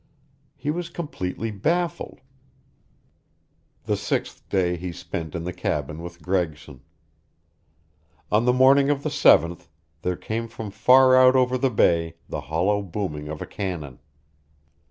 He was completely baffled. The sixth day he spent in the cabin with Gregson. On the morning of the seventh there came from far out over the Bay the hollow booming of a cannon.